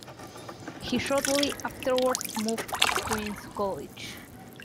He shortly afterwards moved to Queens' College.